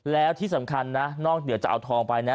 แล้วที่สำคัญนะนอกเหนือจะเอาทองไปนะ